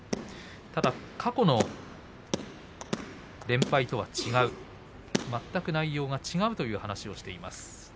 ただ過去の連敗とは違う全く内容が違うという話をしています。